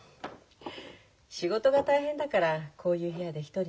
仕事が大変だからこういう部屋で一人になりたいんです。